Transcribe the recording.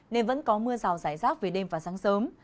nên vẫn có mưa rào rải rác về đêm và sáng sớm